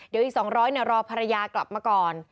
เดี๋ยวอีก๒๐๐รอภรรยากลับมาก่อน